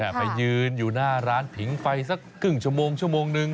ไปยืนอยู่หน้าร้านผิงไฟสักครึ่งชั่วโมงชั่วโมงนึง